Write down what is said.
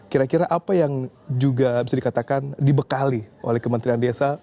kira kira apa yang juga bisa dikatakan dibekali oleh kementerian desa